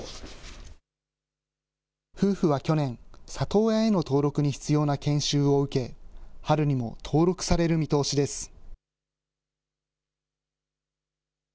夫婦は去年、里親への登録に必要な研修を受け、春にも登録される見通しです。